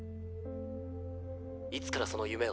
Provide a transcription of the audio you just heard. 「いつからそのゆめを？」。